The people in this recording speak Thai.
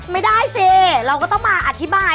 ไม่ได้สิเราก็ต้องมาอธิบาย